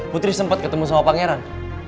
putri sempat ketemu sama pangeran